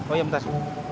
oh iya bentar